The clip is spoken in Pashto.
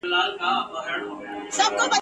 سره يو به کي موجونه ..